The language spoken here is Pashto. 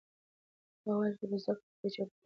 هغه وایي چې په زده کړه کې پیچلتیا نشته.